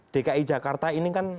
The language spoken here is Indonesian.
dki jakarta ini kan